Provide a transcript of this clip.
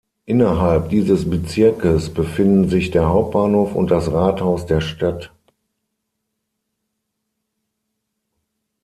Innerhalb dieses Bezirkes befinden sich der Hauptbahnhof und das Rathaus der Stadt.